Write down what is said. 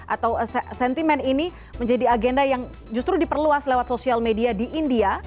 atau sentimen ini menjadi agenda yang justru diperluas lewat sosial media di india